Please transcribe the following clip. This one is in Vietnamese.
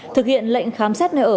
thực hiện lệnh khám xét nơi ở